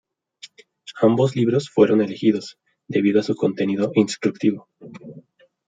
Ambos libros fueron elegidos debido a su contenido instructivo.